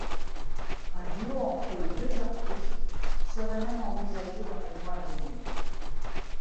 Un duo entre les deux artistes serait même envisagé dans les mois à venir.